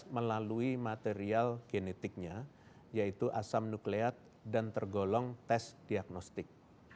melalui material genetiknya yaitu asam nukleat dan tergolong tes diagnostik